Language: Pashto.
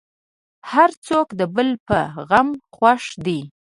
هر څوک د بل په غم خوښ دی.